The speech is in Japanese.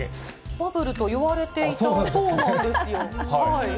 バブルといわれていたそうなんですよ。